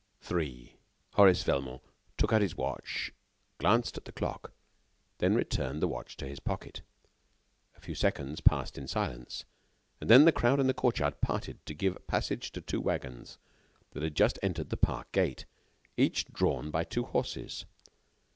three....Horace Velmont took out his watch, glanced at the clock, then returned the watch to his pocket. A few seconds passed in silence; and then the crowd in the courtyard parted to give passage to two wagons, that had just entered the park gate, each drawn by two horses.